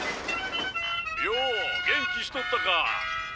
よお元気しとったか。